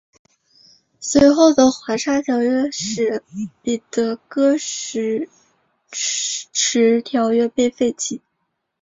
随后的华沙条约使彼得戈施迟条约被废弃。